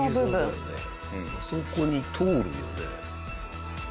あそこに通るよね？